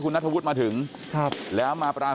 คุณภูริพัฒน์บุญนิน